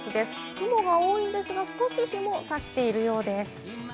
雲が多いですが、少し日もさしているようです。